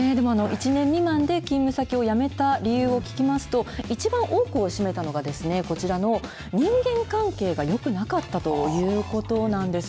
１年未満で勤務先を辞めた理由を聞きますと、いちばん多くを占めたのがこちらの人間関係がよくなかったということなんです。